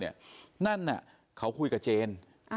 นั่นเขาคุยกับเจน